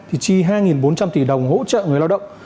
thì chi hai bốn trăm linh tỷ đồng hỗ trợ người lao động